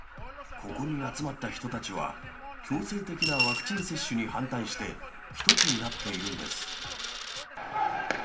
ここに集まった人たちは、強制的なワクチン接種に反対して、一つになっているんです。